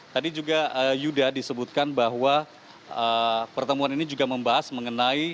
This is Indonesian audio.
tadi juga yuda disebutkan bahwa pertemuan ini juga membahas mengenai